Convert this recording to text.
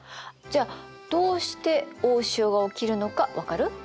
じゃあどうして大潮が起きるのか分かる？